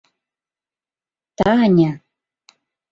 — Таня!